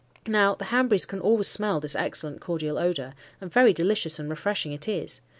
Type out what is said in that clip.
Now the Hanburys can always smell this excellent cordial odour, and very delicious and refreshing it is.